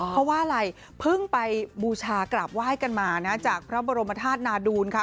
เพราะว่าอะไรเพิ่งไปบูชากราบไหว้กันมานะจากพระบรมธาตุนาดูลค่ะ